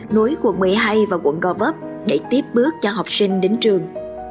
nối quận một mươi hai và quận gò vấp để tiếp bước cho học sinh đến trường